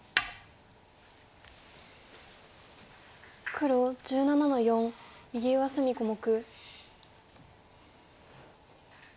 黒１７の四右上隅小目。